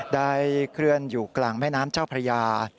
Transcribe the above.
ได้เคลื่อนอยู่กลางแม่น้ำเจ้าพระยา